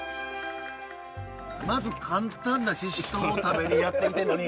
まず簡単なししとうを食べにやって来てんのに